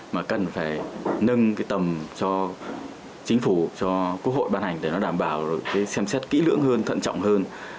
mà cần phải nâng tầm cho chính phủ cho quốc hội ban hành để nó đảm bảo xem xét kỹ lưỡng hơn thận trọng hơn